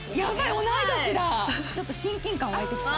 ちょっと親近感湧いてきた。